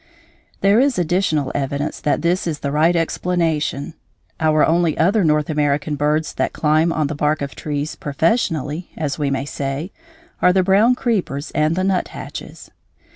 There is additional evidence that this is the right explanation. Our only other North American birds that climb on the bark of trees professionally, as we may say, are the brown creepers and the nuthatches.